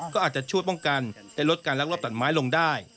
ก็อาจจะช่วยป้องกันและลดการลักลอบตัดไม้ลงได้